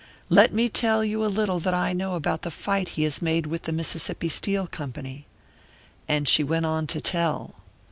Let me tell you a little that I know about the fight he has made with the Mississippi Steel Company." And she went on to tell.